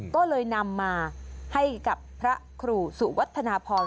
ก็เลยนำมาให้กับพระครูสุวัฒนาพร